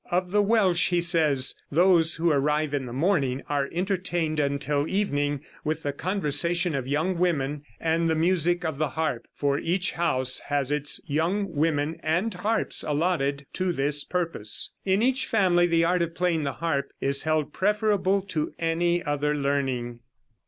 Of the Welsh he says: "Those who arrive in the morning are entertained until evening with the conversation of young women, and the music of the harp, for each house has its young women and harps allotted to this purpose. In each family the art of playing the harp is held preferable to any other learning."